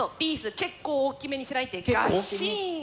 結構大きめに開いてガッシン。